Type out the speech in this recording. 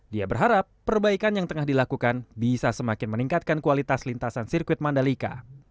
dia berharap perbaikan yang tengah dilakukan bisa semakin meningkatkan kualitas lintasan sirkuit mandalika